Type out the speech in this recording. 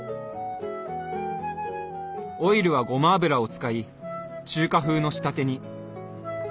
オイルはごま油を使い中華風の仕立てに。